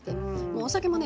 お酒もね